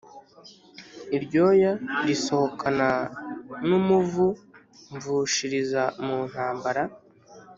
iryoya risohokana n'umuvu mvushiriza mu ntambara.